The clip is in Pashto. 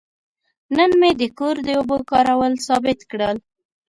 نن مې د کور د اوبو کارول ثابت کړل.